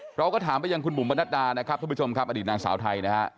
เราก็ถามไปอย่างคุณบุ๋มบรรณดานะครับท่านผู้ชมครับอดีตนางสาวไทยนะครับ